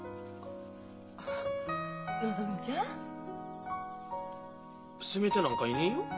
あっのぞみちゃん？責めてなんかいねえよ？